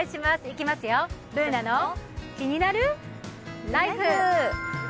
いきますよ、「ＢｏｏｎａのキニナルＬＩＦＥ」。